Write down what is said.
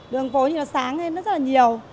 đường phố nhìn nó sáng lên nó rất là nhiều